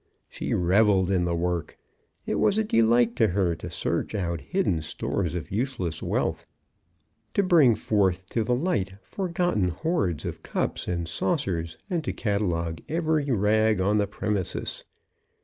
She revelled in the work. It was a delight to her to search out hidden stores of useless wealth, to bring forth to the light forgotten hoards of cups and saucers, and to catalogue every rag on the premises.